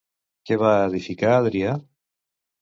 Què va edificar Adrià?